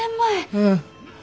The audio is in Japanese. うん。